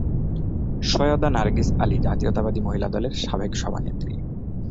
সৈয়দা নার্গিস আলী জাতীয়তাবাদী মহিলা দলের সাবেক সভানেত্রী।